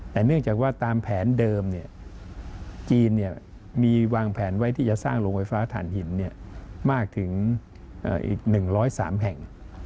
แต่เนื่องจากว่าตามแผนเดิมจีนมีวางแผนไว้ที่จะสร้างโรงไฟฟ้าฐานหินมากถึงอีก๑๐๓แห่ง